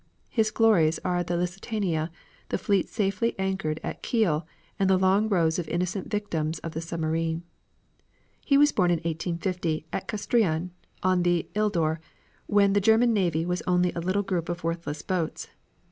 His glories are the Lusitania, the fleet safely anchored at Kiel, and the long rows of innocent victims of the submarine. He was born in 1850 at Kustrion on the Ildor, when the German navy was only a little group of worthless boats.